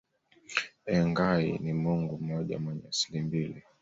Engai ni Mungu mmoja mwenye asili mbili